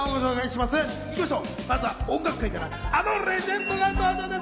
まずは音楽界からあのレジェンドが登場です。